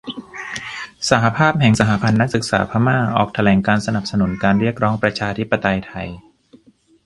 สหภาพแห่งสหพันธ์นักศึกษาพม่า ออกแถลงการณ์สนับสนุนการเรียกร้องประชาธิปไตยไทย